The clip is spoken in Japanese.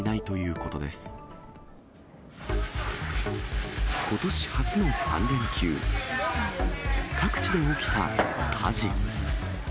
ことし初の３連休、各地で起きた火事。